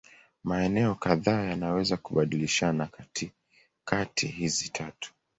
Maeneo kadhaa yanaweza kubadilishana kati hizi tatu.